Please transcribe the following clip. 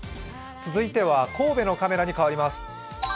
続いては神戸のカメラに変わります。